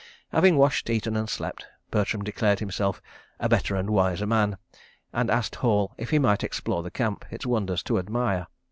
Having washed, eaten and slept, Bertram declared himself "a better and wiser man," and asked Hall if he might explore the Camp, its wonders to admire.